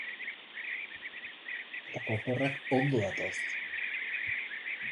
Gabonetako oporrak ondo datoz.